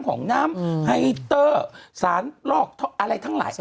คุณหนุ่มกัญชัยได้เล่าใหญ่ใจความไปสักส่วนใหญ่แล้ว